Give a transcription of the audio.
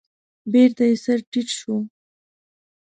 بېرته يې سر تيټ شو.